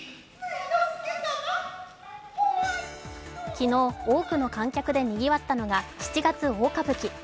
昨日、多くの観客でにぎわったのが「七月大歌舞伎」。